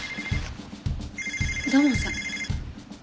土門さん。